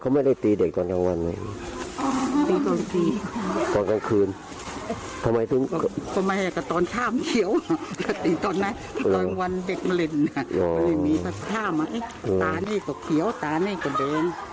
ถ้ามาตานี่ก็เขียวตานี่ก็เดิน